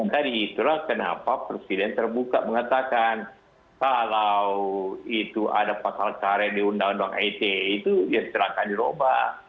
tadi itulah kenapa presiden terbuka mengatakan kalau itu ada pasal karat di undang undang ite itu silahkan dirubah